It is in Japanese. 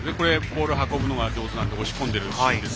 ボールを運ぶのが上手なんで押し込んでいるシーン。